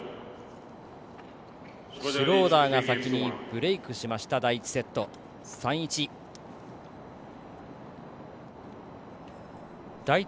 シュローダーが先にブレークしました第１セット、３−１。